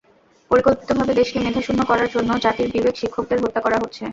পরিকল্পিতভাবে দেশকে মেধাশূন্য করার জন্য জাতির বিবেক শিক্ষকদের হত্যা করা হচ্ছে।